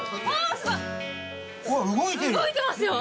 岡副：動いてますよ！